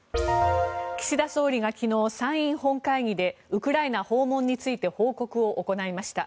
岸田総理が昨日、参院本会議でウクライナ訪問について報告を行いました。